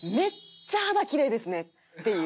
って言う。